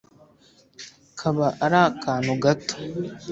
kaba ari akantu gato